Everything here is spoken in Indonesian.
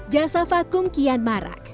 jasa vakum kian marak